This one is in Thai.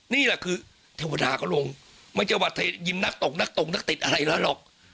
นี่แหละคือเทวดาเขาลงไม่ใช่ว่ายิมนักตกนักตกนักติดอะไรแล้วหรอก